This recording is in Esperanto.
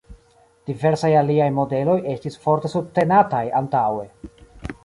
Diversaj alia modeloj estis forte subtenataj antaŭe.